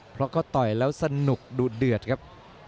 เพราะก็ต่อยแล้วสนุกดูดเดือดครับ